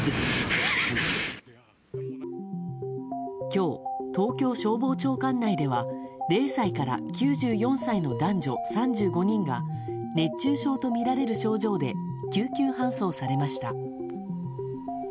今日、東京消防庁管内では０歳から９４歳の男女３５人が熱中症とみられる症状で救急搬送されました。